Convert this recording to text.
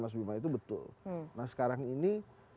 mas bima itu betul nah sekarang ini